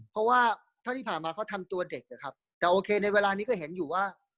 เพราะว่าเท่าที่ผ่านมาเขาทำตัวเด็กนะครับแต่โอเคในเวลานี้ก็เห็นอยู่ว่า